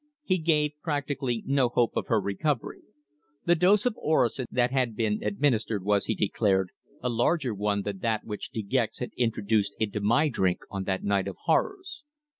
He gave practically no hope of her recovery. The dose of orosin that had been administered was, he declared, a larger one than that which De Gex had introduced into my drink on that night of horrors.